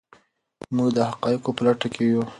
موږ د حقایقو په لټه کې یو.